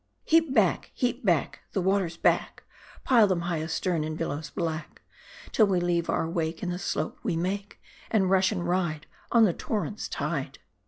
Heap back ; heap back ;' the waters back ! Pile them high astern, in billows black ; Till we leave our wake, In the slope we make ;' And rush and ride, t On the torrent's tide